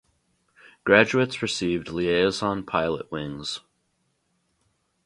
Graduates received Liaison Pilot wings.